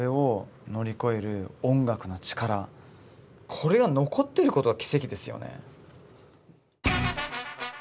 これが残ってることが奇跡ですよね。